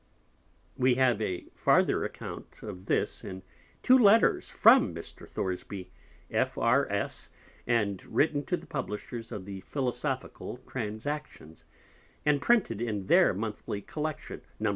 We have a farther Account of this in two Letters from Mr. Thoresby, F.R.S. and written to the Publisher of the Philosophical Transactions, and printed in their Monthly Collection, No.